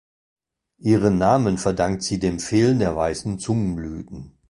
Ihren Namen verdankt sie dem Fehlen der weißen Zungenblüten.